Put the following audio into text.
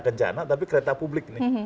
bencana tapi kereta publik nih